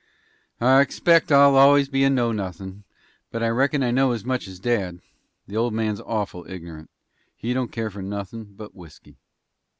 "I expect I'll always be a know nothin', but I reckon I know as much as dad. The old man's awful ignorant. He don't care for nothin' but whisky."